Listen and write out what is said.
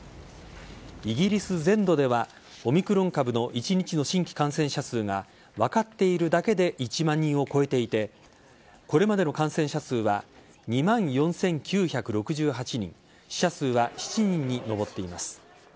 イギリス全土ではオミクロン株の一日の新規感染者数が分かっているだけで１万人を超えていてこれまでの感染者数は２万４９６８人死者数は７人に上っています。